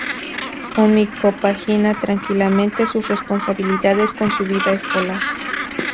Umi compagina tranquilamente sus responsabilidades con su vida escolar.